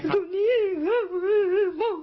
ตัวนี้ครับ